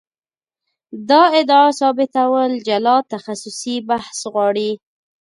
دا ادعا ثابتول جلا تخصصي بحث غواړي.